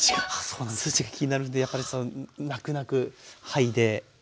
数値が気になるんでやっぱねなくなく剥いでですね。